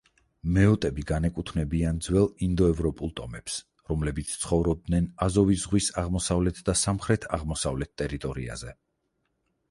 მეოტები განეკუთვნებიან ძველ ინდოევროპულ ტომებს, რომლებიც ცხოვრობდნენ აზოვის ზღვის აღმოსავლეთ და სამხრეთ-აღმოსავლეთ ტერიტორიაზე.